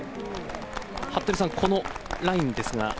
服部さん、このラインですが。